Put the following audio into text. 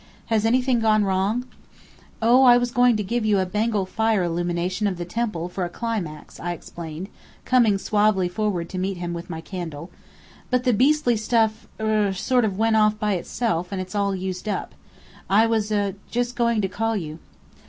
"Has anything gone wrong?" "Oh, I was going to give you a Bengal fire illumination of the temple, for a climax," I explained, coming suavely forward to meet him with my candle. "But the beastly stuff er sort of went off by itself, and it's all used up. I was er just going to call you."